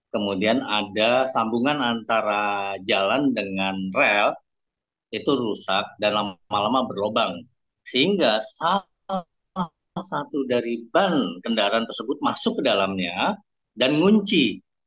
kemudian ada sambungan antara jalan dengan rel itu rusak dan lama lama berlobang sehingga salah satu dari ban kendaraan tersebut masuk ke dalamnya dan ngunci